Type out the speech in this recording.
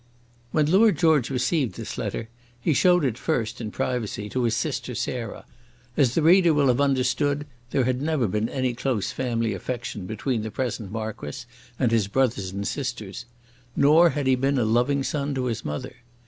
When Lord George received this letter, he showed it first in privacy to his sister Sarah. As the reader will have understood, there had never been any close family affection between the present Marquis and his brothers and sisters; nor had he been a loving son to his mother.